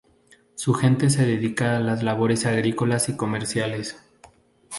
Su gente se dedica a las labores agrícolas y comerciales.